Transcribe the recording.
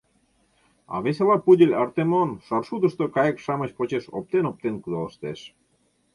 А весела пудель Артемон шаршудышто кайык-шамыч почеш оптен-оптен кудалыштеш.